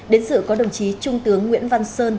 đến dự có đồng chí trung tướng nguyễn văn sơn